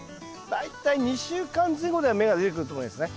大体２週間前後では芽が出てくると思いますね。